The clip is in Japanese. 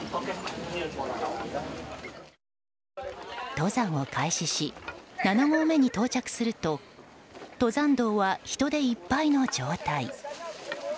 登山を開始し７合目に到着すると登山道は人でいっぱいの状態。